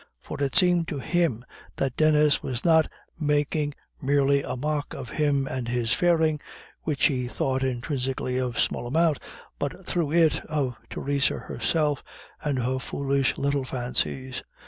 For it seemed to him that Denis was not making merely a mock of him and his fairing, which he thought intrinsically of small amount, but through it of Theresa herself and her foolish little fancies.